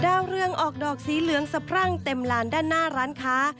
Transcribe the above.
เรืองออกดอกสีเหลืองสะพรั่งเต็มลานด้านหน้าร้านค้า